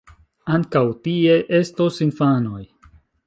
Ankaŭ tie estos infanoj.